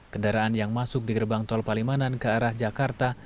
kendaraan yang masuk di gerbang tol palimanan ke arah jakarta